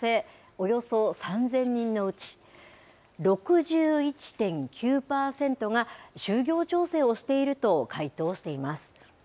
およそ３０００人のうち、６１．９％が就業調整をしていると回答しています。